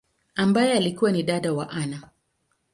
ambaye alikua ni dada wa Anna.